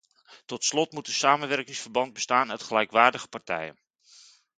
Tot slot moet een samenwerkingsverband bestaan uit gelijkwaardige partijen.